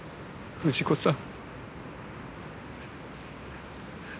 藤子さん。